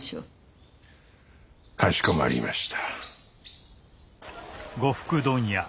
かしこまりました。